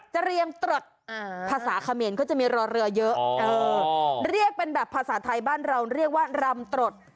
เจรียงตรดภาษาเขมีรอเรือเยอะภาษาไทยบ้านเราเรียกว่ารำตรด